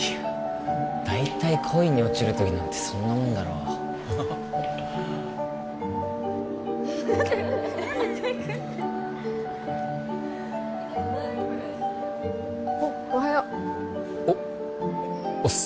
大体恋に落ちるときなんてそんなもんだろおっおはようおおっす